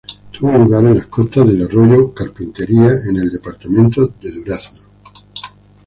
Tuvo lugar en las costas del arroyo Carpintería, en el Departamento de Durazno.